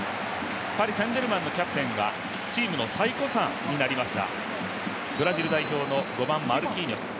パリ・サン＝ジェルマンのキャプテンはチームの最古参になりました、ブラジル代表の５番・マルキーニョス。